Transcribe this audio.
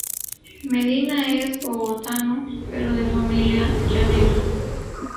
Medina es bogotano pero de familia llanera.